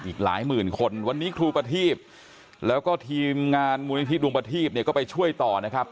อีกหลายหมื่นคนวันนี้ครูประทีพแล้วก็ทีมงานมูลนิธิดวงประทีพเนี่ยก็ไปช่วยต่อนะครับ